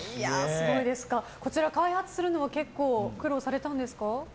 こちら、開発するのは結構苦労されたんですか？